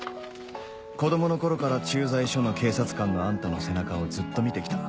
子供の頃から駐在所の警察官のあんたの背中をずっと見て来た